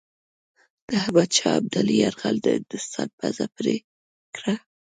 د احمدشاه ابدالي یرغل د هندوستان پزه پرې کړه.